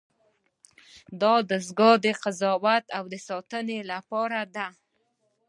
دا دستگاه د قضاوت او ساتنې لپاره ده.